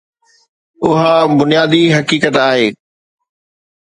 اها بنيادي حقيقت آهي.